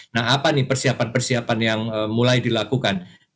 nah apa nih persiapan persiapan yang mulai dilakukan